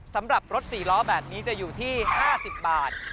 สำหรับรถ๔ล้อแบบนี้จะอยู่ที่๕๐บาท